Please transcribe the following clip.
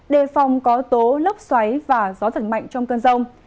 đề phòng có tố lốc xoáy và gió giật mạnh trong cơn rông